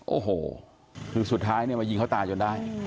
โอ้โหคือสุดท้ายเนี่ยมายิงเขาตายจนได้